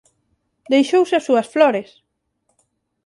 Deixouse as súas flores.